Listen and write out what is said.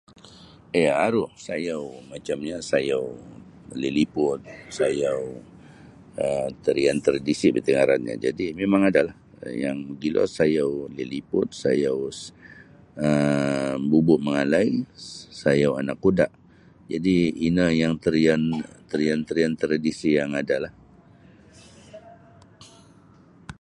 Ya aru sayau macamnyo sayau Liliput sayau um tarian tradisi biti ngarannyo jadi mimang adalah yang mogilo sayau Liliput sayau Bubu Mangalai sayau Anak Kuda jadi ino yang tarian-tarian tradisi yang adalah.